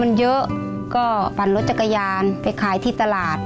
คนเยอะก็ปั่นรถจักรยานไปขายที่ตลาด